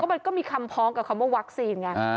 มันก็มีคำพ้องกับคำว่าวัคซีนไง